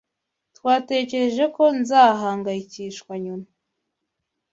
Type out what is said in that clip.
Twatekereje ko nzahangayikishwa nyuma.